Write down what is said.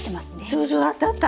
そうそうあったあった！